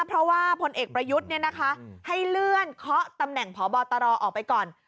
เพราะว่าพลเอกประยุทธ์อย่างเป็นการเลื่อนเขาตำแหน่งพบตรออกไปก่อน